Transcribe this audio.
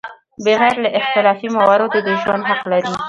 بغیر له اختلافي مواردو د ژوند حق لري.